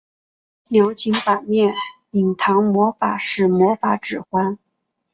鸟井坂面影堂魔法使魔法指环